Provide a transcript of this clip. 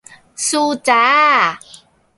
สู้จ้า